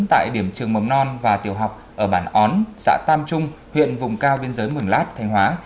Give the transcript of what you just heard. tại điểm trường mầm non và tiểu học ở bản ón xã tam trung huyện vùng cao biên giới mường lát thanh hóa